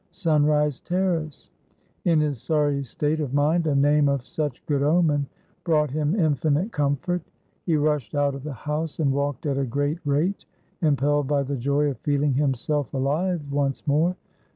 "Sunrise Terrace!" In his sorry state of mind, a name of such good omen brought him infinite comfort. He rushed out of the house, and walked at a great rate, impelled by the joy of feeling himself alive once more.